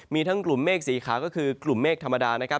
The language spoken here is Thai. มีทั้งกลุ่มเมฆสีขาก็คือกลุ่มเมฆธรรมดานะครับ